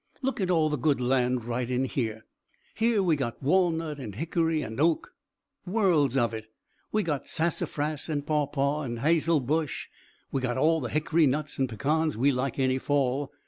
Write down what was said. "Look at all the good land right in here! Here we got walnut and hickory and oak worlds of it. We got sassafras and pawpaw and hazel brush. We get all the hickory nuts and pecans we like any fall.